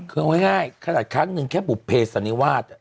คือเอาง่ายขนาดครั้งนึงแค่บุปเปจอันนี้วาด